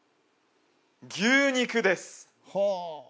牛肉です